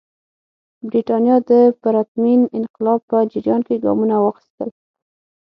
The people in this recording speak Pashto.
برېټانیا د پرتمین انقلاب په جریان کې ګامونه واخیستل.